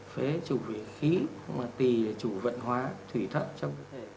phế chủ vệ khí tỷ là chủ vận hóa thủy thận trong cơ thể